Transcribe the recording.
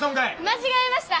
間違えました。